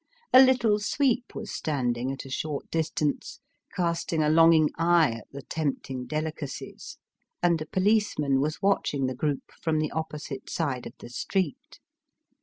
A little sweep was standing at a short distance, casting a longing eye at the tempting delicacies; and a policeman was watching the group from the opposite side of the street.